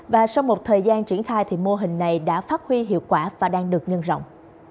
và sau một thời gian triển khai thì mô hình này đã phát huy hiệu quả và đang được nhân rộng